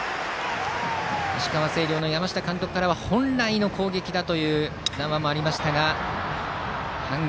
石川・星稜の山下監督からは本来の攻撃だという談話もありましたが反撃